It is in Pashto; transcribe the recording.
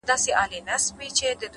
هره تجربه د ژوند نوی درس ورکوي,